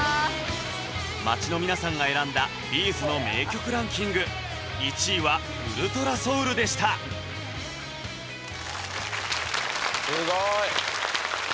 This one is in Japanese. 街のみなさんが選んだ「Ｂ’ｚ」の名曲ランキング１位は「ｕｌｔｒａｓｏｕｌ」でしたすごい！